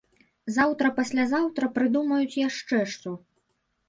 Заўтра-паслязаўтра прыдумаюць яшчэ што.